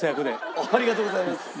ありがとうございます。